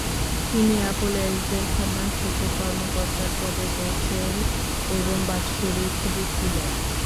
তিনি অ্যাপলে একজন সম্মানসূচক কর্মকর্তার পদে রয়েছেন এবং বাৎসরিক বৃত্তি নেন।